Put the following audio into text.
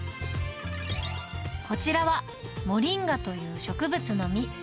こちらはモリンガという植物の実。